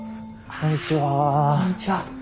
こんにちは。